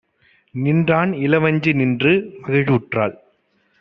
நின்றான். இளவஞ்சி நின்று மகிழ்வுற்றாள்.